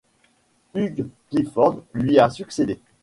Hugh Clifford lui a succédé.